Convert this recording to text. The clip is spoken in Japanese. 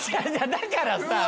だからさ。